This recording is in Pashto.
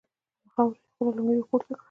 له خاورو يې خپله لونګۍ ور پورته کړه.